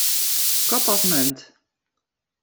Kop of munt.